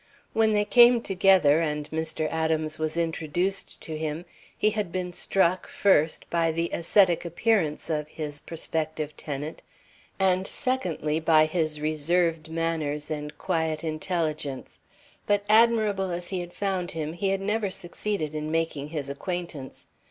When they came together and Mr. Adams was introduced to him, he had been struck, first, by the ascetic appearance of his prospective tenant, and, secondly, by his reserved manners and quiet intelligence. But admirable as he had found him, he had never succeeded in making his acquaintance.